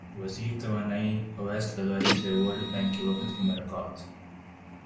وزیر توانائی اویس لغاری سے ورلڈ بینک کے وفد کی ملاقات